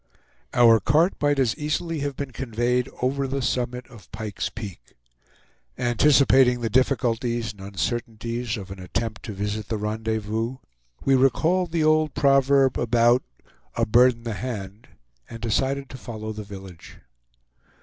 Our cart might as easily have been conveyed over the summit of Pike's Peak. Anticipating the difficulties and uncertainties of an attempt to visit the rendezvous, we recalled the old proverb about "A bird in the hand," and decided to follow the village.